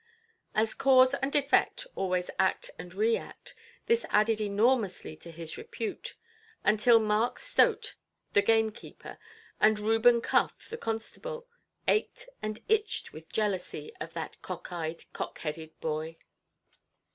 As cause and effect always act and react, this added enormously to his repute, until Mark Stote the gamekeeper, and Reuben Cuff the constable, ached and itched with jealousy of that "cock–eyed, cock–headed boy".